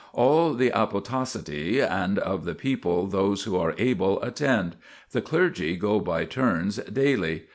All the apotactitae, and of the people those who are able, attend ; the clergy go by turns, daily.